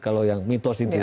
kalau yang mitos itu